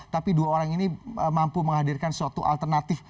tapi dua orang ini mampu menghadirkan suatu alternatif